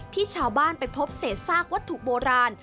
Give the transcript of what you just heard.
ที่ชาวบ้านไปพบเศษซากวัตถุโบราณ